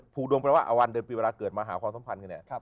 ผูกดวงแปลว่าอวันเดินปีเวลาเกิดมาหาความสัมพันธ์